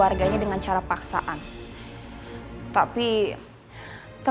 aku akan dianggap sebagai anakku